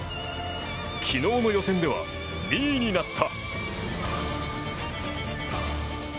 昨日の予選では２位になった。